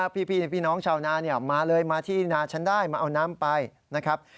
พี่น้องชาวนามาเลยมาที่นาฉันได้มาเอาน้ำไปนะครับ